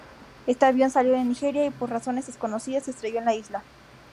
Este avión salió de Nigeria y por razones desconocidas se estrelló en la isla.